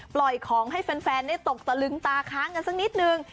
ปล่อยของให้แฟนได้ตกตะลึงตาค้างกันสักนิดนึง